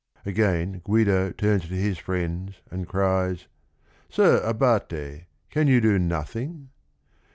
Again Guido turns to his friends, and cries: "Sir Abate, can you do nothing?"